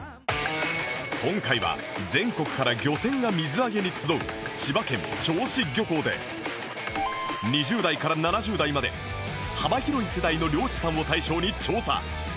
今回は全国から漁船が水揚げに集う千葉県銚子漁港で２０代から７０代まで幅広い世代の漁師さんを対象に調査